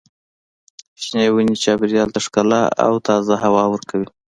شنې ونې چاپېریال ته ښکلا او تازه هوا ورکوي.